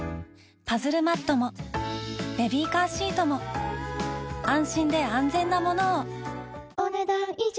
パズルマットもベビーカーシートも安心で安全なものをお、ねだん以上。